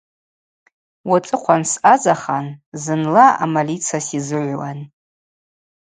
Уацӏыхъван съазахан зынла амалица сизыгӏвуан.